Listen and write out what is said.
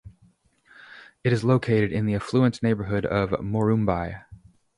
It is located in the affluent neighborhood of Morumbi.